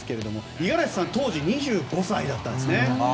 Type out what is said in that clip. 五十嵐さん当時２５歳だったんですね。